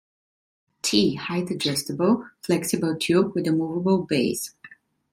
Tee: Height-adjustable, flexible tube, with a movable base.